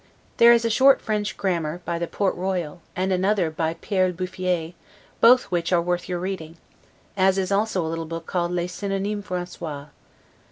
There is a short French grammar by the Port Royal, and another by Pere Buffier, both which are worth your reading; as is also a little book called 'Les Synonymes Francois.